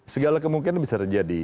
segala kemungkinan bisa terjadi